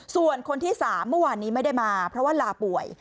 ส่วนคนที่๓เมื่อวานนี้ไม่ได้มาเพราะว่าลาป่วย